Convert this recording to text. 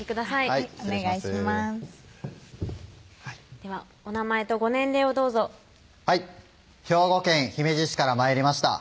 はい失礼しますではお名前とご年齢をどうぞはい兵庫県姫路市から参りました